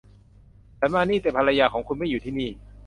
ฉันมาที่นี่ แต่ภรรยาของคุณไม่อยู่ที่นี่